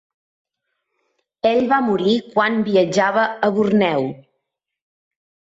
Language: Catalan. Ell va morir quan viatjava a Borneo.